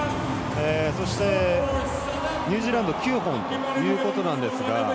そして、ニュージーランドが９本ということなんですが。